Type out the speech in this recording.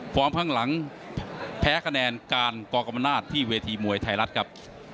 ข้างหลังแพ้คะแนนการกรกรรมนาศที่เวทีมวยไทยรัฐครับ